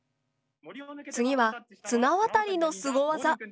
次は綱渡りのスゴ技。